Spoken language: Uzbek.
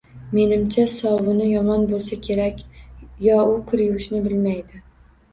Menimcha, sovuni yomon boʻlsa kerak yo u kir yuvishni bilmaydi